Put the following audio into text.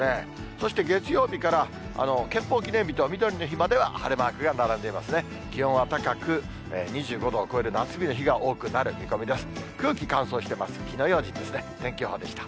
そして月曜日から憲法記念日とみどりの日までは晴れマークが並んでいますね、気温は高く、２５度を超える夏日の日が多くなる見込みです。